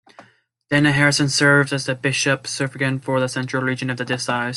Dena Harrison serves as bishop suffragan for the central region of the diocese.